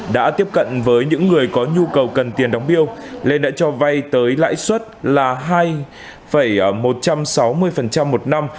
đã tiếp cận với những người có nhu cầu cần tiền đóng biêu lên đã cho vay tới lãi suất là một trăm sáu mươi một năm